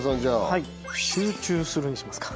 はい「集中する」にしますか